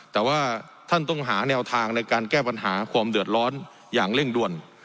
แต่ว่าท่านต้องหาแนวทางในการแก้ปัญหาความเดือดร้อนอย่างเร่งด่วน